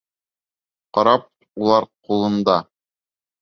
Карап улар ҡулында.